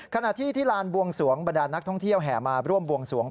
ขณะที่ที่ลานบวงสวงบรรดานักท่องเที่ยวแห่มาร่วมบวงสวง